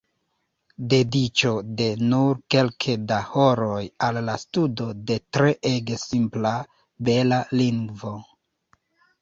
Dediĉo de nur kelke da horoj al la studo de treege simpla, bela lingvo.